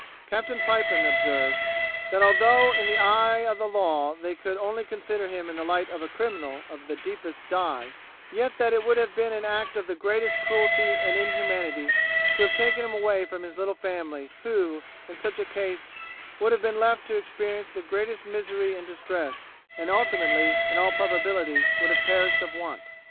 Captain Pipon observes, 'that although in the eye of the law they could only consider him in the light of a criminal of the deepest dye, yet that it would have been an act of the greatest cruelty and inhumanity to have taken him away from his little family, who, in such a case, would have been left to experience the greatest misery and distress, and ultimately, in all probability, would have perished of want.'